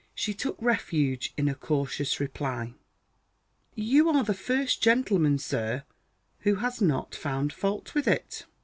She took refuge in a cautious reply: "You are the first gentleman, sir, who has not found fault with it."